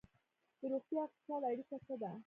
د روغتیا او اقتصاد اړیکه څه ده؟